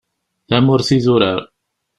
Tamurt idurar.